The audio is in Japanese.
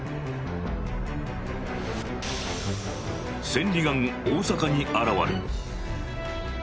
「千里眼大阪に現る」。